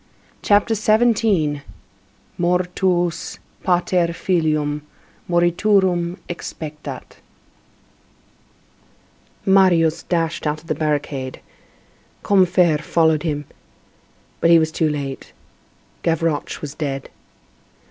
CHAPTER XVII—MORTUUS PATER FILIUM MORITURUM EXPECTAT Marius dashed out of the barricade, Combeferre followed him. But he was too late. Gavroche was dead.